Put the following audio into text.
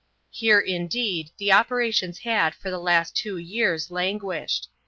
Here, indeed, the operations had for the last two years languished.